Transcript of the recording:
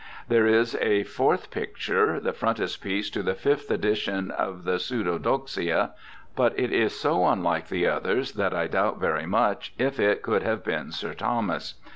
There is a fourth picture, the frontispiece to the fifth edition of the Pseudodoxia, but it is so unhke the others that I doubt very much if it could have been Sir Thomas.